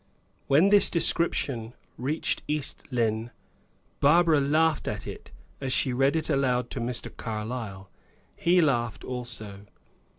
When this description reached East Lynne, Barbara laughed at it as she read it aloud to Mr. Carlyle. He laughed also.